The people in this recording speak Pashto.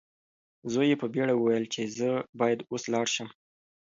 زوی یې په بیړه وویل چې زه باید اوس لاړ شم.